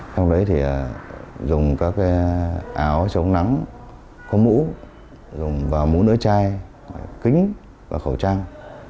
trong đấy thì dùng các áo chống nắng có mũ và mũ nửa chai kính và khẩu trang